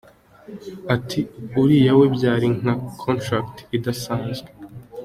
Ati: “uriya we byari nka contract idasazwe”.